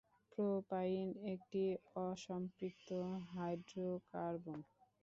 Propyne একটি অসম্পৃক্ত hydrocarbon.